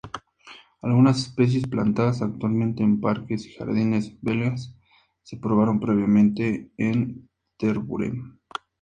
Algunas especies plantadas actualmente en parques y jardines belgas se probaron previamente en Tervuren.